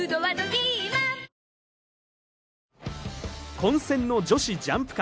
混戦の女子ジャンプ界。